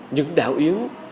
những đảo yến